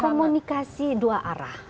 komunikasi dua arah